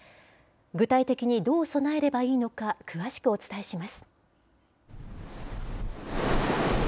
具体的にどう備えればいいのか、詳しくお伝えします。